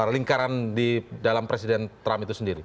lingkaran di dalam presiden trump itu sendiri